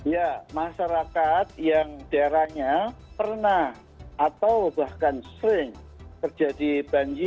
ya masyarakat yang daerahnya pernah atau bahkan sering terjadi banjir